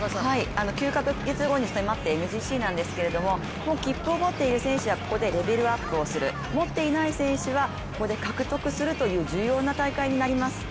９カ月後に迫ったＭＧＣなんですけど切符を持っている選手はここでレベルアップする、持っていない選手はここで獲得するという重要な大会になります。